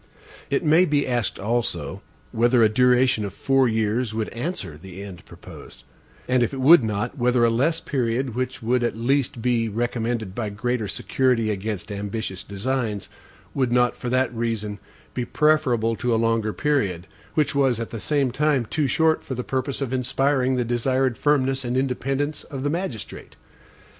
It may be asked also, whether a duration of four years would answer the end proposed; and if it would not, whether a less period, which would at least be recommended by greater security against ambitious designs, would not, for that reason, be preferable to a longer period, which was, at the same time, too short for the purpose of inspiring the desired firmness and independence of the magistrate.